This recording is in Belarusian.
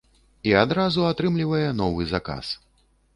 І адразу атрымлівае новы заказ.